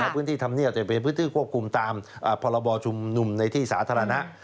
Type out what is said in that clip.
พื้นที่ธรรมเนียบเป็นพื้นที่ควบคุมตามพรบชุมนุมในที่สาธารณะ